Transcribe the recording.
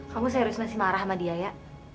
kamu serius masih marah sama dia ya